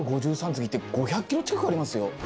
次って５００キロ近くありますよ。